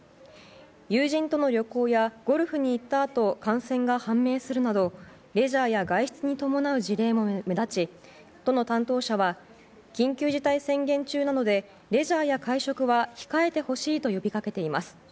友人との旅行やゴルフに行ったあと感染が判明するなどレジャーや外出に伴う事例も目立ち都の担当者は緊急事態宣言中なのでレジャーや会食は控えてほしいと呼びかけています。